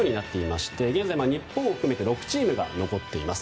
現在、日本を含めて６チームが残っています。